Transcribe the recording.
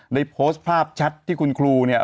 ได้โพสต์ภาพแชทที่คุณครูเนี่ย